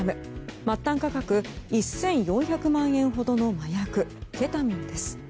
末端価格１４００万円ほどの麻薬ケタミンです。